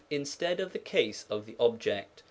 instead of the case of the object.